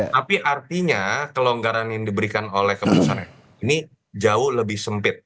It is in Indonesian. tapi artinya kelonggaran yang diberikan oleh kementerian ini jauh lebih sempit